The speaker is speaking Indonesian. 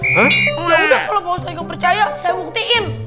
ya udah kalau pak ustaz gak percaya saya buktiin